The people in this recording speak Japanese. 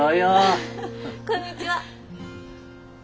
こんにちは。